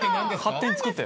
勝手に作って。